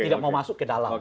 tidak mau masuk ke dalam